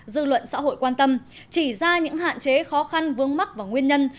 dư luận xã hội quan tâm chỉ ra những hạn chế khó khăn vướng mắt và nguyên nhân